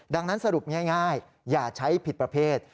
ดังนั้นสรุปง่ายอย่าใช้ผิดประเภท